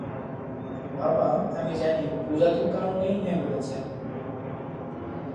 বাবা, আমি জানি, পূজা তোর কারণেই হ্যাঁ বলেছে।